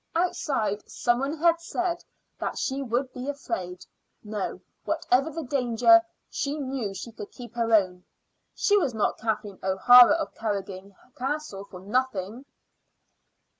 Outside some one had said that she would be afraid. No, whatever the danger, she knew she could keep her own. She was not Kathleen O'Hara of Carrigrohane Castle for nothing.